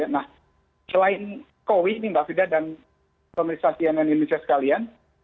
nah selain koi mbak fida dan pemerintah sianan indonesia sekalian